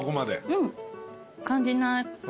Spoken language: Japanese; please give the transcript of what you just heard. うん感じない。